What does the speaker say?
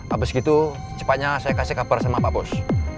abis gitu secepatnya saya kasih kabar sama pak bos